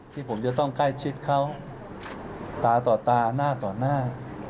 ที่ผมจะต้องใกล้ชิดเขาตาต่อตาหน้าต่อหน้า